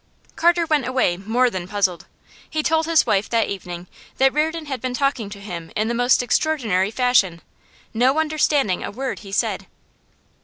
Carter went away more than puzzled. He told his wife that evening that Reardon had been talking to him in the most extraordinary fashion no understanding a word he said.